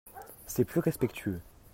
C'est plus respectueux.